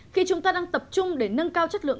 khi chúng ta đang tập trung để nâng cao chất lượng